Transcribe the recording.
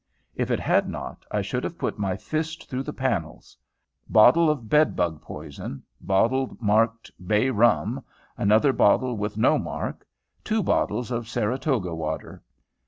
If it had not, I should have put my fist through the panels. Bottle of bedbug poison; bottle marked "bay rum"; another bottle with no mark; two bottles of Saratoga water.